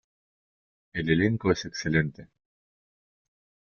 El elenco es "excelente".